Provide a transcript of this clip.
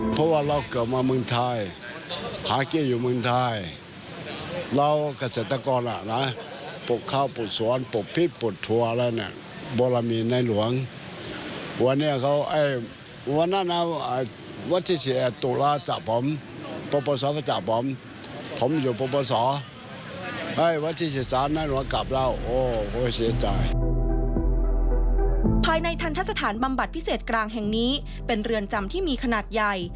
ภายในทันทะสถานบำบัดพิเศษกลางแห่งนี้เป็นเรือนจำที่มีขนาดใหญ่